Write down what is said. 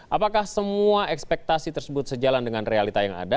apakah semua ekspektasi tersebut sejalan dengan realita yang ada